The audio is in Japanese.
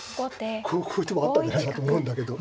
こういう手もあったんじゃないかと思うんだけど。